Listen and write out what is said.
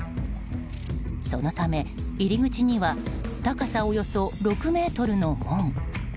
そのため、入り口には高さおよそ６ｍの門。